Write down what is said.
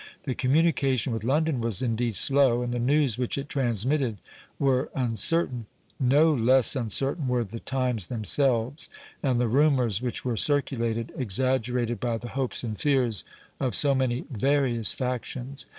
The communication with London was indeed slow, and the news which it transmitted were uncertain; no less uncertain were the times themselves, and the rumours which were circulated, exaggerated by the hopes and fears of so many various factions.